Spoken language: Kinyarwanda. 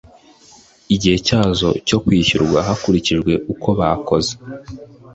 igihe cyazo cyo kwishyurwa hakurikijwe uko bakoze